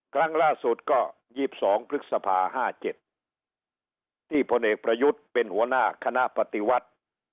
ครั้งล่าสุดก็๒๒พฤษภา๕๗ที่พลเอกประยุทธ์เป็นหัวหน้าคณะปฏิวัติ